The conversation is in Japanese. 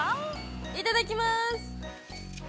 ◆いただきます！